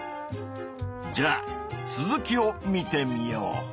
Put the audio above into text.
じゃあ続きを見てみよう。